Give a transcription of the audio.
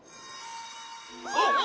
あっ！